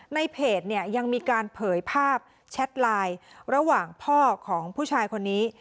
ในเพจเนี่ยยังมีการเผยภาพแชทไลน์ระหว่างพ่อของผู้ชายคนนี้